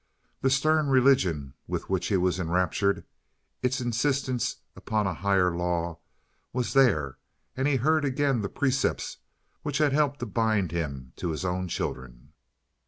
The stern religion with which he was enraptured, its insistence upon a higher law, was there, and he heard again the precepts which had helped to bind him to his own children.